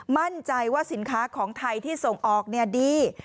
มั่นใจว่าสินค้าของไทยที่ส่งออกดี